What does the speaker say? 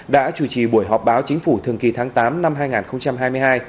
đã chủ trì buổi họp báo chính phủ thường kỳ tháng tám năm hai nghìn hai mươi hai